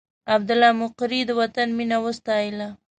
عبدالله مقري د وطن مینه وستایله.